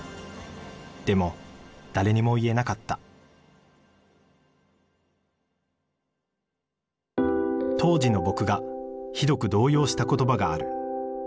でも誰にも言えなかった当時の僕がひどく動揺した言葉がある。